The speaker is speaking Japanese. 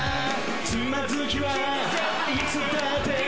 つまずきはいつだって